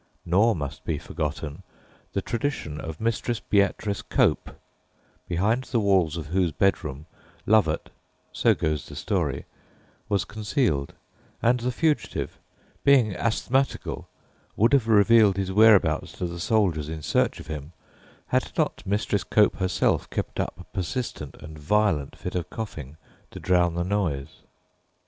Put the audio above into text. Nor must be forgotten the tradition of Mistress Beatrice Cope, behind the walls of whose bedroom Lovat (so goes the story) was concealed, and the fugitive, being asthmatical, would have revealed his whereabouts to the soldiers in search of him, had not Mistress Cope herself kept up a persistent and violent fit of coughing to drown the noise.